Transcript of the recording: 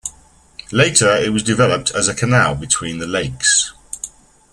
Later it was developed as a canal between the lakes.